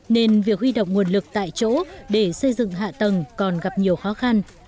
nên việc huy động nguồn lực tại chỗ để xây dựng hạ tầng còn gặp nhiều khó khăn